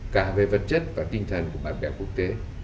cả về vật chất và tinh thần của bạn bè quốc tế